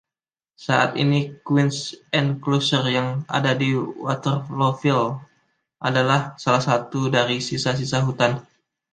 Saat ini Queens Inclosure yang ada di Waterlooville adalah salah satu dari sisa-sisa hutan.